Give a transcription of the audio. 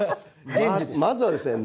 まずはですね